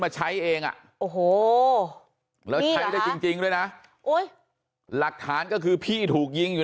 มาใช้เองอ่ะโหณจริงด้วยนะหลักฐานก็คือพี่ถูกยิงอยู่